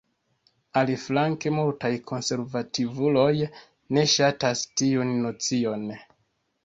Aliflanke multaj konservativuloj ne ŝatas tiun nocion.